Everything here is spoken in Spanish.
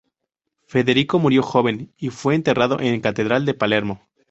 Federico murió joven y fue enterrado en catedral de Palermo.